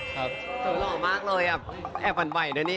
เห็นหรอมากเลยอ่ะแอบปันไหวด้วยเนี่ย